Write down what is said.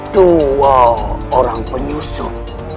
dua orang penyusup